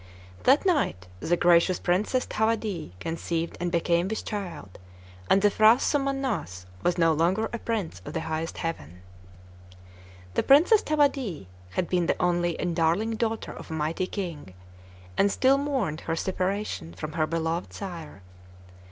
That night the gracious Princess Thawadee conceived and became with child, and the P'hra Somannass was no longer a prince of the highest heaven. The Princess Thawadee had been the only and darling daughter of a mighty king, and still mourned her separation from her beloved sire.